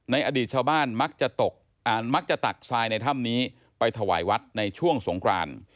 อดีตชาวบ้านมักจะตกมักจะตักทรายในถ้ำนี้ไปถวายวัดในช่วงสงคราน